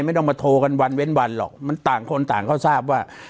ไม่ต้องมาโทรกันวันเว้นวันหรอกมันต่างคนต่างเขาทราบว่า